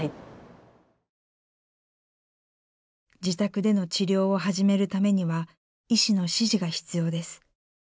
自宅での治療を始めるためには医師の指示が必要です。